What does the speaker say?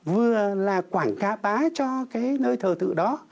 vừa là quảng cá bá cho cái nơi thờ tự đó